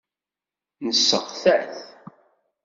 Nesseɣta-t.